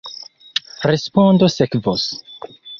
Respondo sekvos.